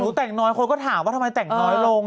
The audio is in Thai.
แต่งน้อยคนก็ถามว่าทำไมแต่งน้อยลง